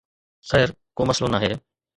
خير، ڪو مسئلو ناهي